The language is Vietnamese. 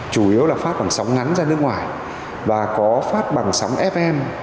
chủ yếu là phát bằng sóng ngắn ra nước ngoài và có phát bằng sóng fm